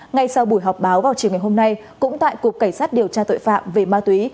ngay sau buổi họp báo vào chiều ngày hôm nay cũng tại cục cảnh sát điều tra tội phạm về ma túy